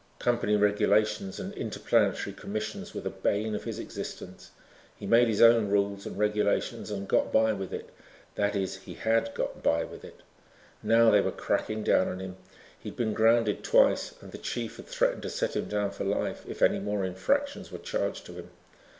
Company regulations and interplanetary commissions were the bane of his existence. He made his own rules and regulations and got by with it. That is he had gotten by with it. Now they were cracking down on him. He had been grounded twice and the chief had threatened to set him down for life if any more infractions were charged to him.